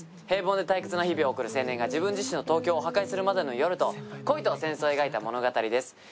平凡で退屈な日々を送る青年が自分自身の東京を破壊するまでの夜と恋と戦争を描いた物語です。